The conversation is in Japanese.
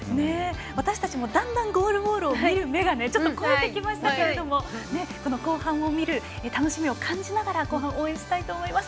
私たちもだんだんゴールボールを見る目が肥えてきましたけれども後半も見る楽しみを感じながら後半応援したいと思います。